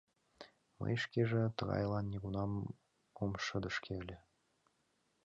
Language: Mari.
Мый шкеже тыгайлан нигунам ом шыдешке ыле.